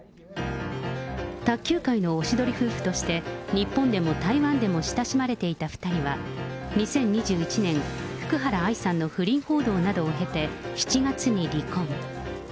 卓球界のおしどり夫婦として、日本でも台湾でも親しまれていた２人は、２０２１年、福原愛さんの不倫報道などを経て、７月に離婚。